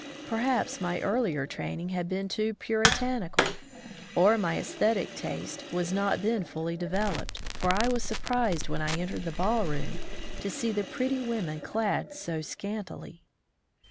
Perhaps my earUer training had been too Puritanical, or my aesthetic sense was not then fully developed, for I was surprised when I entered the ballroom to see the pretty women clad so scantily.